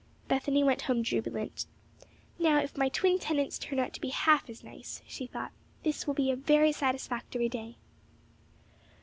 Bethany went home jubilant. "Now if my twin tenants turn out to be half as nice," she thought, "this will be a very satisfactory day."